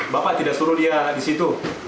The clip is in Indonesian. bapak tidak suruh dia disitu